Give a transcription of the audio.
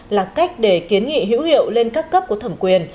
là cách để kiến nghị hữu hiệu lên các cấp có thẩm quyền